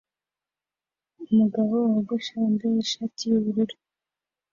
Umugabo wogosha wambaye ishati yubururu